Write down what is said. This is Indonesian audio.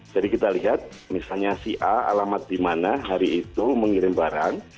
jadi kita lihat misalnya si a alamat di mana hari itu mengirim penerima